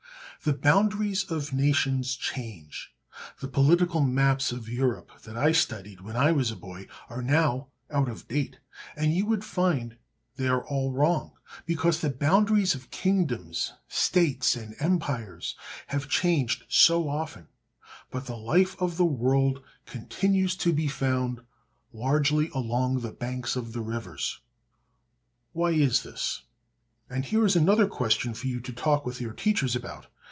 The boundaries of nations change. The political maps of Europe that I studied when I was a boy are now out of date, and you would find they are all wrong, because the boundaries of kingdoms, states, and empires have changed so often; but the life of the world continues to be found largely along the banks of the rivers. Why is this? And here is another question for you to talk with your teachers about.